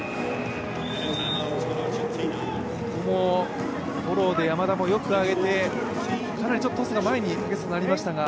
ここも、フォローで山田もよく上げてかなりトスが前になりましたが。